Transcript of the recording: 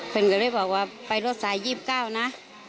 เพื่อนก็เลยบอกว่าไปรถสาย๒๙นะ